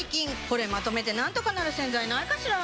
これまとめてなんとかなる洗剤ないかしら？